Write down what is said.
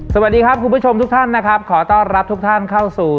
สวัสดีครับคุณผู้ชมทุกท่านนะครับขอต้อนรับทุกท่านเข้าสู่